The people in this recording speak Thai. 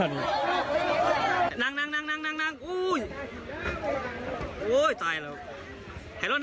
โห้ตายแล้ว